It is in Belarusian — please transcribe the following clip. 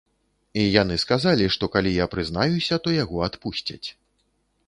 І яны сказалі, што калі я прызнаюся, то яго адпусцяць.